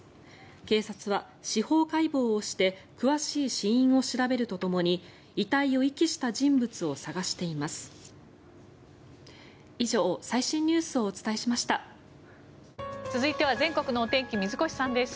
警察は司法解剖をして詳しい死因を調べるとともに遺体を遺棄した人物を探しています。